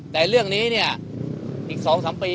แต่เรื่องนี้เนี่ยอีกสองสามปีอะครับ